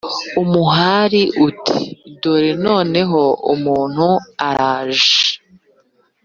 umuhari uti ” dore noneho umuntu araje,